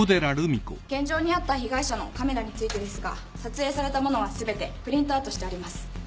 現場にあった被害者のカメラについてですが撮影されたものはすべてプリントアウトしてあります。